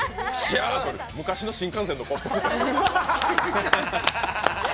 昔の新幹線のコップ。